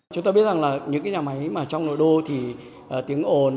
chúng ta biết rằng là những cái nhà máy mà trong nội đô thì tiếng ồn